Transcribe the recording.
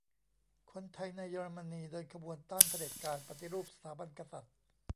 คนไทยในเยอรมนี เดินขบวนต้านเผด็จการ ปฏิรูปสถาบันกษัตริย์